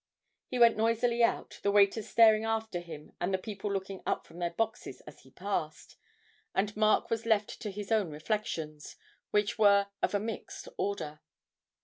He went noisily out, the waiters staring after him and the people looking up from their boxes as he passed, and Mark was left to his own reflections, which were of a mixed order.